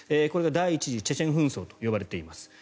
これが第１次チェチェン紛争と呼ばれています。